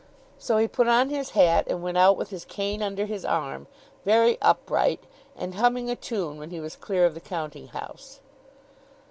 So he put on his hat, and went out with his cane under his arm: very upright, and humming a tune when he was clear of the counting house.